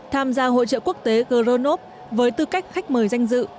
tham gia hội trợ quốc tế gronov với tư cách khách mời danh dự